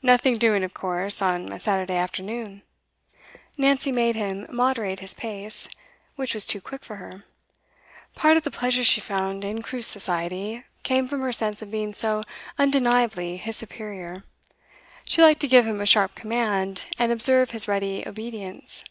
Nothing doing, of course, on a Saturday afternoon.' Nancy made him moderate his pace, which was too quick for her. Part of the pleasure she found in Crewe's society came from her sense of being so undeniably his superior; she liked to give him a sharp command, and observe his ready obedience.